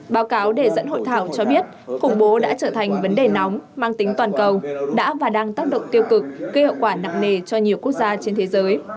báo cáo đề dẫn hội thảo cho biết khủng bố đã trở thành vấn đề nóng mang tính toàn cầu đã và đang tác động tiêu cực gây hậu quả nặng nề cho nhiều quốc gia trên thế giới